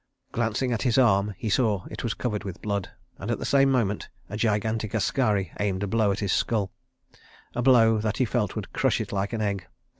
Glancing at his arm he saw it was covered with blood, and, at the same moment, a gigantic askari aimed a blow at his skull—a blow that he felt would crush it like an egg